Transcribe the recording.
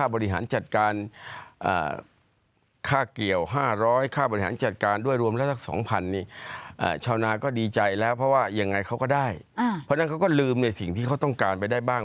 เพราะฉะนั้นเขาก็ลืมสิ่งที่เขาต้องการไปได้บ้าง